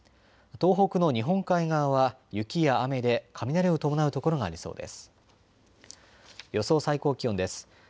東北の日本海側は雪や雨で雷を伴う所がありそうです。